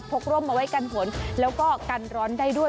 กร่มเอาไว้กันฝนแล้วก็กันร้อนได้ด้วย